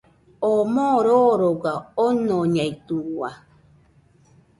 Oo moo roroga, onoñeitɨua